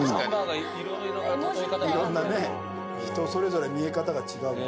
いろんなね人それぞれ見え方が違う。